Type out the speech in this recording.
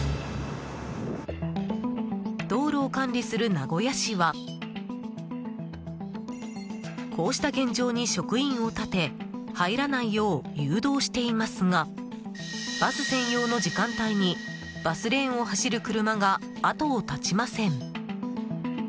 道路を管理する名古屋市はこうした現状に職員を立て入らないよう誘導していますがバス専用の時間帯にバスレーンを走る車が後を絶ちません。